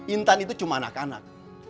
intan itu cuma anak anak